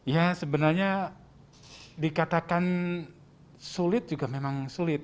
ya sebenarnya dikatakan sulit juga memang sulit